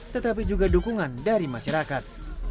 tetapi juga dukungan dari masyarakat